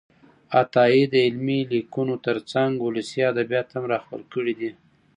عطايي د علمي لیکنو ترڅنګ ولسي ادبیات هم راخپل کړي دي.